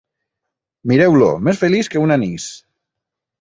Mireu-lo, més feliç que un anís.